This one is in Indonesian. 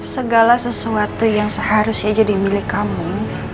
segala sesuatu yang seharusnya jadi milik kamu